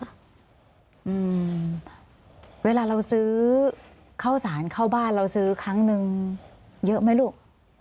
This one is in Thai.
อืมเวลาเราซื้อข้าวสารเข้าบ้านเราซื้อครั้งหนึ่งเยอะไหมลูก